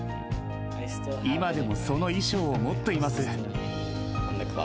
今でもその衣装を持っています。